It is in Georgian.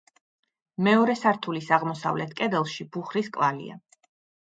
მეორე სართულის აღმოსავლეთ კედელში ბუხრის კვალია.